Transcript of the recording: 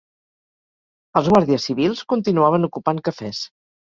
Els guàrdies civils continuaven ocupant cafès